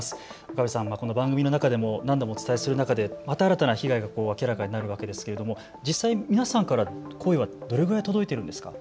岡部さん、この番組の中でも何度もお伝えする中で新たな被害が明らかになるわけですけれども実際、皆さんから声はどれくらい届いているんですか。